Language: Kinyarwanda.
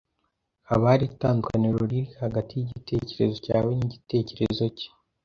Haba hari itandukaniro riri hagati yigitekerezo cyawe nigitekerezo cye?